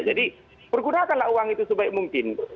jadi pergunakanlah uang itu sebaik mungkin